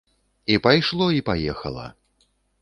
І пайшло, і паехала.